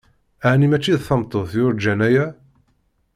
Aɛni mačči d tameṭṭut yurǧan aya?